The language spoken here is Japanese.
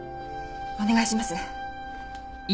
お願いします。